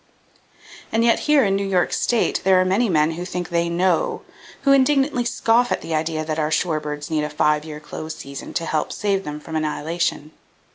And yet, here in New York state there are many men who think they "know," who indignantly scoff at the idea that our shore birds need a five year close season to help save them from annihilation.